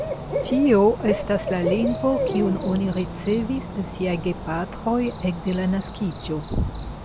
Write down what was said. Tio estas la lingvo, kiun oni ricevis de siaj gepatroj ekde la naskiĝo.